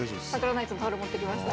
ナイツのタオル持ってきました。